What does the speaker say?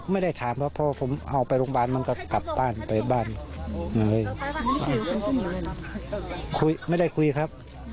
ไม่ได้คุยครับ